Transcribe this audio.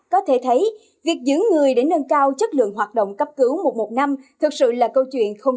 có thể thấy việc giữ người để nâng cao chất lượng hoạt động cấp cứu một trăm một mươi năm thực sự là câu chuyện không